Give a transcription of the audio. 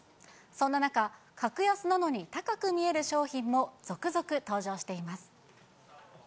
そんな中、格安なのに高く見える商品も続々登場しています。